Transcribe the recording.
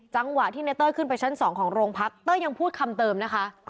จังหวะที่ในเต้ยขึ้นไปชั้น๒ของโรงพักเต้ยยังพูดคำเติมนะคะ